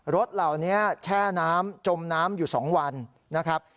รถเหล่านี้แช่น้ำจมน้ำอยู่๒วันนะครับ